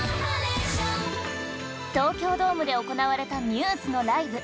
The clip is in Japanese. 東京ドームで行われたμ’ｓのライブ。